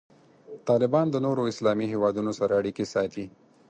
طالبان د نورو اسلامي هیوادونو سره اړیکې ساتي.